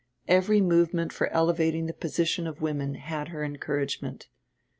Every movement for elevating the position of women had her encouragement.